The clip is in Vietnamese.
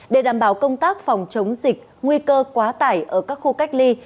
để đảm bảo công tác phòng chống dịch nguy cơ quá tải ở các khu cách ly